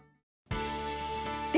で